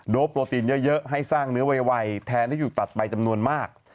โปรตีนเยอะให้สร้างเนื้อไวแทนที่อยู่ตัดไปจำนวนมาก